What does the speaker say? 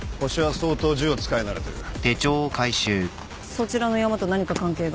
そちらのヤマと何か関係が？